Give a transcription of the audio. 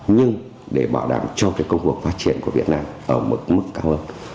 nhưng để bảo đảm cho công cuộc phát triển của việt nam ở mức cao hơn